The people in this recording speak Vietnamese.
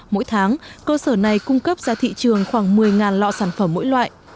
mỗi tháng cơ sở này cung cấp ra thị trường khoảng một mươi lọ sản phẩm mỗi loại